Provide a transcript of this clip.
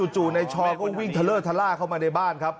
จู่นายชอก็วิ่งทะเลอร์ทะล่าเข้ามาในบ้านครับ